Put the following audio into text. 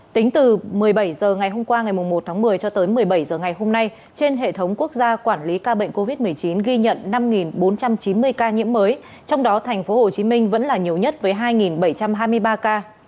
tính từ một mươi bảy h ngày hôm qua ngày một tháng một mươi cho tới một mươi bảy h ngày hôm nay trên hệ thống quốc gia quản lý ca bệnh covid một mươi chín ghi nhận năm bốn trăm chín mươi ca nhiễm mới trong đó tp hcm vẫn là nhiều nhất với hai bảy trăm hai mươi ba ca